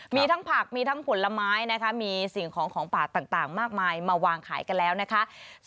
มีทั้งผักมีทั้งผลไม้นะคะมีสิ่งของของป่าต่างมากมายมาวางขายกันแล้วนะคะ